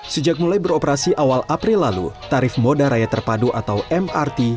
sejak mulai beroperasi awal april lalu tarif moda raya terpadu atau mrt